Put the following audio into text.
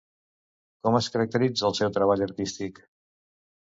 Com es caracteritza el seu treball artístic?